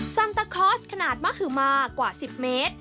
ซันตาคอร์สขนาดมะหือมากว่า๑๐เมตร